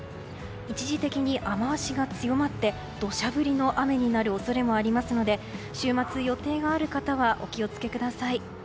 一時的に雨脚が強まって土砂降りの雨になる恐れもありますので週末、予定がある方はお気をつけください。